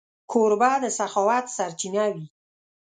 کوربه د سخاوت سرچینه وي.